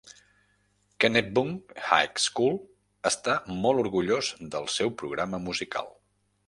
Kennebunk High School està molt orgullós del seu programa musical.